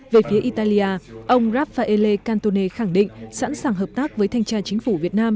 về phía italia ông rafaele cantone khẳng định sẵn sàng hợp tác với thanh tra chính phủ việt nam